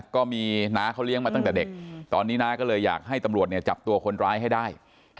ก็มีน้าเขาเลี้ยงมาตั้งแต่เด็กตอนนี้น้าก็เลยอยากให้ตำรวจจับตัวคนร้ายให้ได้